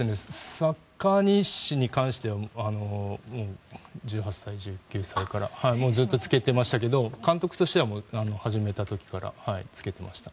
サッカー日誌に関しては１８歳、１９歳からずっとつけてましたけど監督としては始めた時からつけていました。